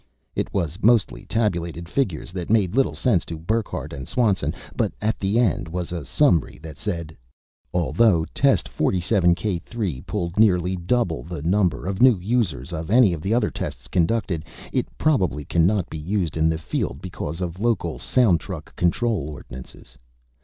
It was mostly tabulated figures that made little sense to Burckhardt and Swanson, but at the end was a summary that said: Although Test 47 K3 pulled nearly double the number of new users of any of the other tests conducted, it probably cannot be used in the field because of local sound truck control ordinances.